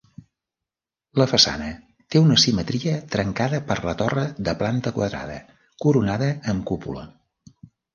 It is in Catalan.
La façana té una simetria trencada per la torre de planta quadrada, coronada amb cúpula.